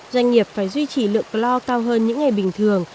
doanh nghiệp phải duy trì lượng clor cao hơn những ngày bình thường